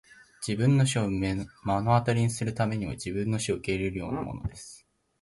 自分の死を目の当たりにするために自分の死を受け入れるようなものです!